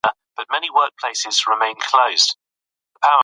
یووالی قوت دی.